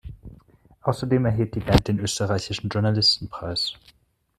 Außerdem erhielt die Band den Österreichischen Journalistenpreis.